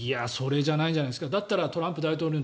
それじゃないんじゃないですか？